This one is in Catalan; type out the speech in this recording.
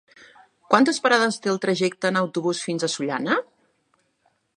Quantes parades té el trajecte en autobús fins a Sollana?